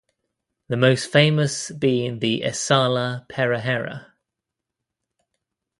The most famous being the Esala Perahera.